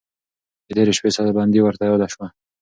د تېرې شپې ساه بندي ورته یاده شوه.